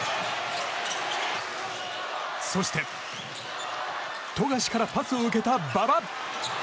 そして富樫からパスを受けた馬場。